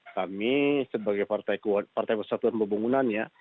kami sebagai partai persatuan pembungunannya